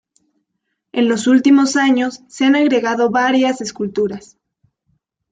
En los últimos años se han agregado varias esculturas.